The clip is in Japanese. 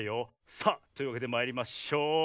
さあというわけでまいりましょう！